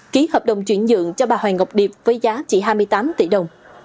ký hợp đồng chuyển nhượng cho bà hoàng ngọc điệp với giá chỉ hai mươi tám tỷ đồng